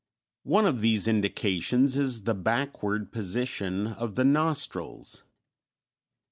One of these indications is the backward position of the nostrils.